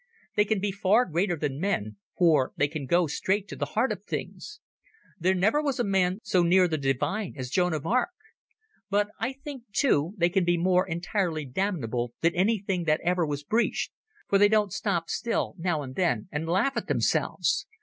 They can be far greater than men, for they can go straight to the heart of things. There never was a man so near the divine as Joan of Arc. But I think, too, they can be more entirely damnable than anything that ever was breeched, for they don't stop still now and then and laugh at themselves